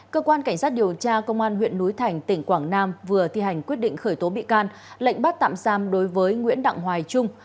cơ quan cảnh sát điều tra công an huyện núi thành tỉnh quảng nam vừa thi hành quyết định khởi tố bị can lệnh bắt tạm giam đối với nguyễn đặng hoài trung